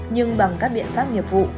nhưng bằng các biện pháp nghiệp vụ